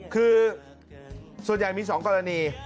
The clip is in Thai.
คือส่วนใหญ่มี๒กรณี